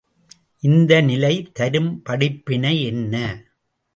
இந்த நிலை தரும் படிப்பினை என்ன?